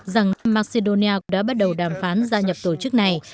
rằng macedonia cũng đã bắt đầu đàm phán gia nhập tổ chức này